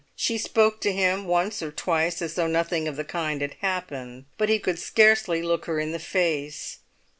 She spoke to him once or twice as though nothing of the kind had happened, but he could scarcely look her in the face.